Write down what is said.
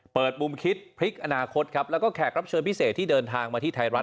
เปิดมุมคิดพลิกอนาคตครับแล้วก็แขกรับเชิญพิเศษที่เดินทางมาที่ไทยรัฐ